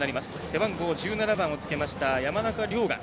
背番号１７番を着けました山中竜雅。